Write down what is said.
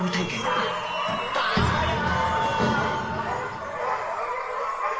たまやー！